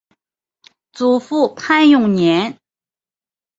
祖父潘永年。